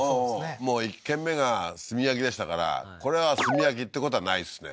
もう１軒目が炭焼きでしたからこれは炭焼きってことはないですね